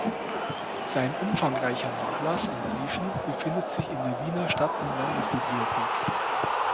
Sein umfangreicher Nachlass an Briefen befindet sich in der Wiener Stadt- und Landesbibliothek.